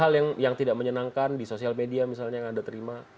hal yang tidak menyenangkan di sosial media misalnya yang anda terima